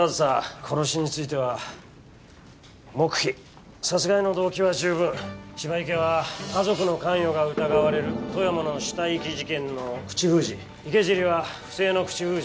殺しについては黙秘殺害の動機は十分芝池は家族の関与が疑われる富山の死体遺棄事件の口封じ池尻は不正の口封じ